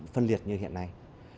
phân liệt như hiện nay